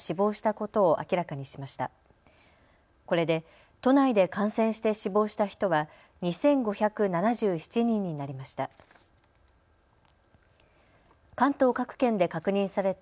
これで都内で感染して死亡した人は２５７７人になりました。